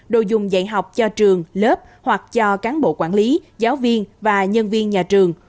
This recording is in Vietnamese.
đồ dùng dạy học cho trường lớp hoặc cho cán bộ quản lý giáo viên và nhân viên nhà trường